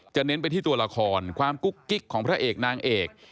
เน้นไปที่ตัวละครความกุ๊กกิ๊กของพระเอกนางเอก